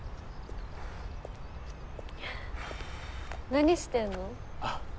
何してんの？